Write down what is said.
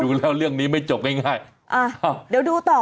ดูแล้วเรื่องนี้ไม่จบง่ายง่ายอ่าเดี๋ยวดูต่อ